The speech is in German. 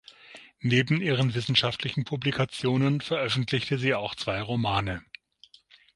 Neben ihren wissenschaftlichen Publikationen veröffentlichte sie auch zwei Romane.